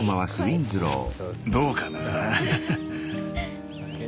どうかな。